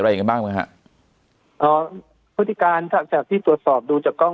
อะไรอย่างนั้นบ้าง